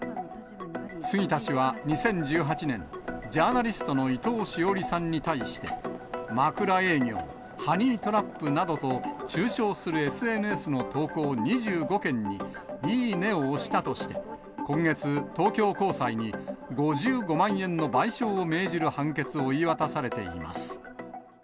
杉田氏は２０１８年、ジャーナリストの伊藤詩織さんに対して、枕営業、ハニートラップなどと、中傷するＳＮＳの投稿２５件に、いいねを押したとして、今月、東京高裁に５５万円の賠償を命じる判決を言い渡されています。